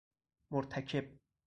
مرتکب